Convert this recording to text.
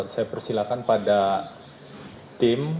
saya persilahkan pada tim